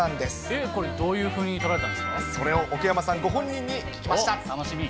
えっ、これ、それを奥山さんご本人に聞き楽しみ。